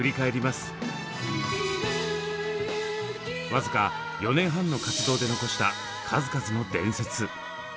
わずか４年半の活動で残した数々の伝説。